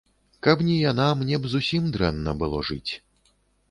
Каб не яна, мне б зусім дрэнна было жыць.